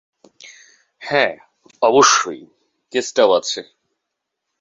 হ্যাঁ, অবশ্যই, কেসটাও আছে।